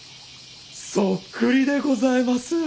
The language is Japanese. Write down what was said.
そっくりでございます！